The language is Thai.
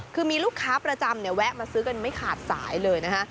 คือมีลูกค้าประจำเนี่ยแวะมาซื้อกันไม่ขาดสายเลยนะฮะ